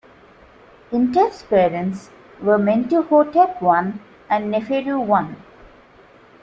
Intef's parents were Mentuhotep I and Neferu I.